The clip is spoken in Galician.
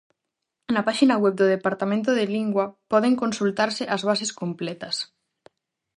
Na páxina web do Departamento de Lingua poden consultarse as bases completas.